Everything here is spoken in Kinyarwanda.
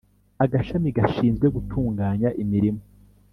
agashami gashinzwe gutunganya imirimo